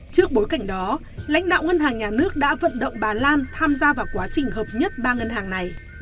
trước bối cảnh đó lãnh đạo ngân hàng nhà nước đã vận động bà lan tham gia vào quá trình hợp nhất ba ngân hàng này